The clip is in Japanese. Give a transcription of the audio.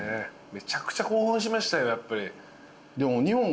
めちゃくちゃ興奮しましたよ。